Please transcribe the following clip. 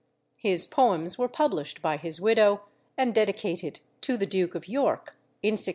His poems were published by his widow, and dedicated to the Duke of York in 1673.